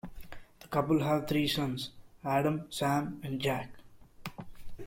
The couple have three sons: Adam, Sam and Jack.